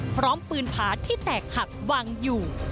พร้อมปืนผาที่แตกหักวางอยู่